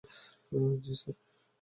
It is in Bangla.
জী স্যার!